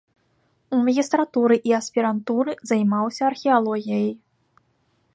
У магістратуры і аспірантуры займаўся археалогіяй.